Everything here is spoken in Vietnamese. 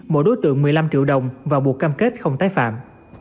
mỗi đối tượng một mươi năm triệu đồng và buộc cam kết không tái phạm